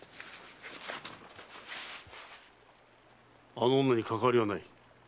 あの女にかかわりはない。